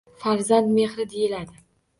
“Farzand mehri” deyiladi...